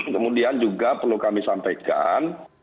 kemudian juga perlu kami sampaikan